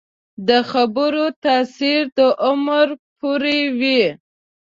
د خبرو تاثیر د عمر پورې وي